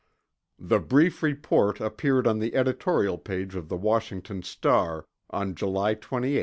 The brief report appeared on the editorial page of the Washington Star on July 28, 1947.